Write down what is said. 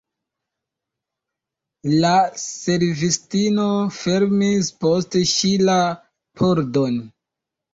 La servistino fermis post ŝi la pordon.